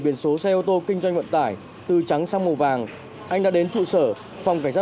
biển số xe ô tô kinh doanh vận tải từ trắng sang màu vàng anh đã đến trụ sở phòng cảnh sát